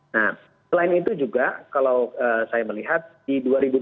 nah selain itu juga kalau saya melihat di dua ribu dua puluh